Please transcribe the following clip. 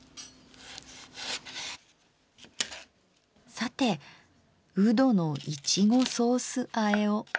さてうどのいちごソースあえを。